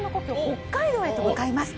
北海道へと向かいます